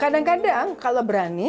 kadang kadang kalau berani